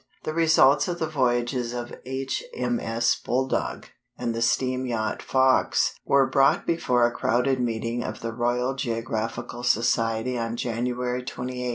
The results of the voyages of H.M.S. Bulldog and the steam yacht Fox were brought before a crowded meeting of the Royal Geographical Society on January 28, 1861.